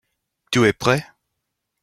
Tu es prêt ?